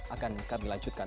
akan kami lanjutkan